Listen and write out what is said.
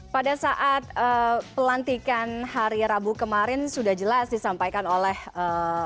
pada saat pelantikan hari rabu kemarin sudah jelas disampaikan oleh eee